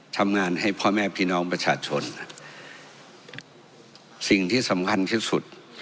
ทำงานให้พ่อแม่พี่น้องประชาชนสิ่งที่สำคัญที่สุด